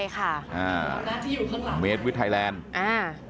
การสอบส่วนแล้วนะ